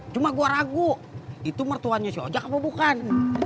cuma gue ragu itu mertuanya si ojak apa bukan